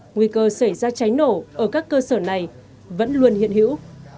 nguy cơ xảy ra cháy nổ ở các cơ sở này vẫn luôn hiện hữu